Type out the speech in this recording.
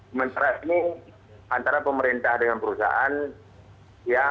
sementara ini antara pemerintah dengan perusahaan ya